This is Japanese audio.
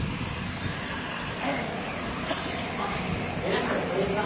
あっ皆さんこんにちは！